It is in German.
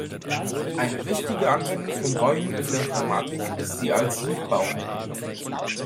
Eine wichtige Anwendung von Bäumen in der Informatik ist die als Suchbaum.